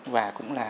và cũng là